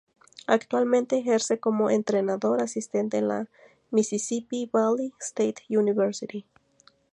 Actualmente ejerce como entrenador asistente en la Mississippi Valley State University.